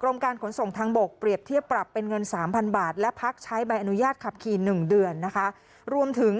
คำเดียวผมว่าไม่ได้พูดยันส่งถึง